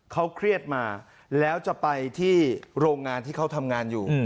เขาเครียดมาแล้วจะไปที่โรงงานที่เขาทำงานอยู่